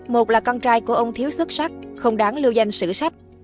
một là con trai của ông thiếu xuất sắc không đáng lưu danh sử sách